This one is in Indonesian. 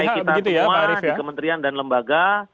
di ikpi kita semua di kementerian dan lembaga